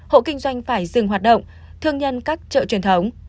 hộ kinh doanh phải dừng hoạt động thương nhân cắt trợ truyền thống